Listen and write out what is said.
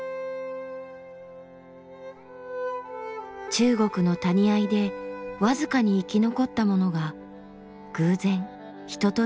中国の谷あいで僅かに生き残ったものが偶然ヒトと出会い栽培された。